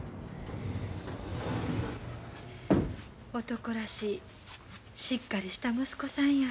男らしいしっかりした息子さんや。